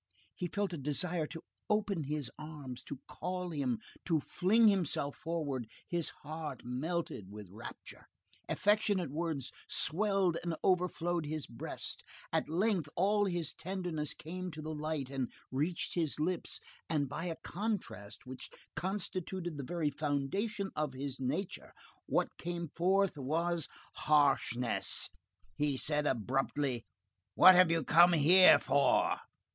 He felt a desire to open his arms, to call him, to fling himself forward; his heart melted with rapture, affectionate words swelled and overflowed his breast; at length all his tenderness came to the light and reached his lips, and, by a contrast which constituted the very foundation of his nature, what came forth was harshness. He said abruptly:— "What have you come here for?"